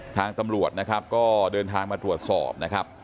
ทางตำรวจนะครับก็เดินทางมาตรวจสอบนะครับ